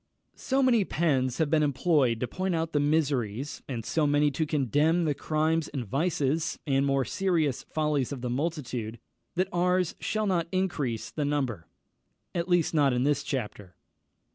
So many pens have been employed to point out the miseries, and so many to condemn the crimes and vices, and more serious follies of the multitude, that ours shall not increase the number, at least in this chapter.